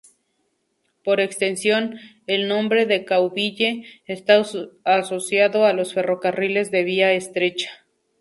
Por extensión, el nombre Decauville está asociado a los ferrocarriles de vía estrecha.